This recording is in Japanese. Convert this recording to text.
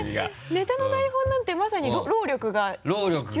ネタの台本なんてまさに労力が必要になる。